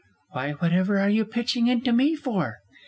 Why, whatever are you pitching into me for!